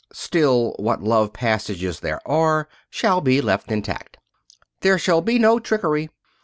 Still, what love passages there are shall be left intact. There shall be no trickery.